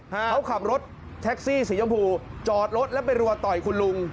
เขาขับรถแท็กซี่สีชมพูจอดรถแล้วไปรัวต่อยคุณลุง